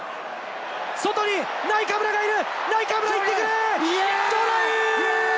外にナイカブラがいる！